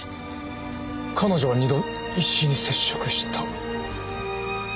彼女は２度石井に接触した。